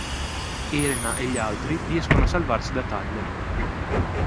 Elena e gli altri riescono a salvarsi da Tyler.